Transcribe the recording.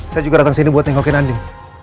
saya juga datang sini buat nengokin andin